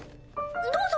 どうぞ。